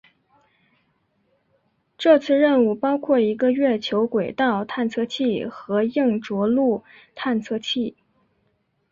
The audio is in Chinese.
这次任务包括一个月球轨道探测器和硬着陆探测器。